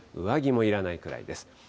上着もいらないくらいです。